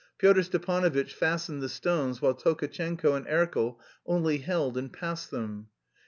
Pyotr Stepanovitch fastened the stones while Tolkatchenko and Erkel only held and passed them.